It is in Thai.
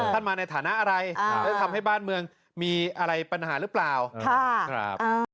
ก็มัลหันไม่สานะอะไรอ่าทำให้บ้านเมืองมีอะไรปัญหาหรือเปล่าท่า